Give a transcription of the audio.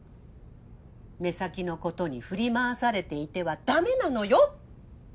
目先のことに振り回されていては駄目なのよ。